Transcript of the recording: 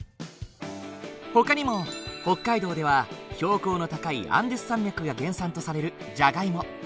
ほかにも北海道では標高の高いアンデス山脈が原産とされるジャガイモ。